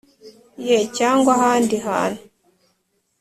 Ye cyangwa ahandi hantu